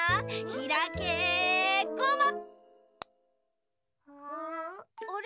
ひらけごま！